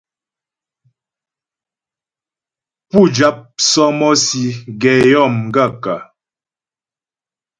Pú jáp sɔ́mɔ́sì gɛ yó m gaə̂kə́ ?